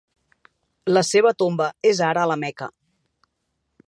La seva tomba és ara a la Meca.